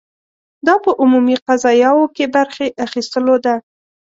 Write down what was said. دا په عمومي قضایاوو کې برخې اخیستلو ده.